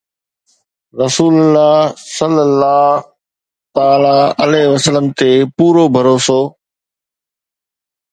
رسول الله صَلَّى اللهُ تَعَالٰى عَلَيْهِ وَسَلَّمَ تي پورو ڀروسو